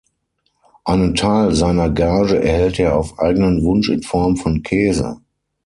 Einen Teil seiner Gage erhält er auf eigenen Wunsch in Form von Käse.